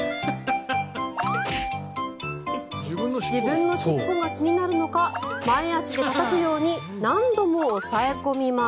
自分の尻尾が気になるのか前足でたたくように何度も押さえ込みます。